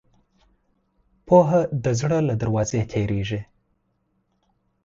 پوهه د زړه له دروازې تېرېږي.